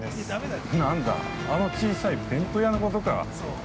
◆なんだ、あの小さい弁当屋のことか。